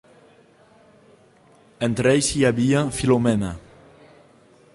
Entre ells hi havia Filomena.